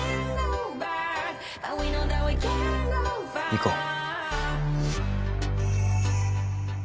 行こう。